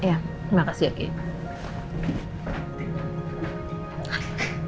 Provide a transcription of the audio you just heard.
iya terima kasih gigi